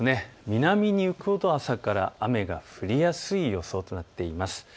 南に行くほど朝から雨が降りやすい予想となっています。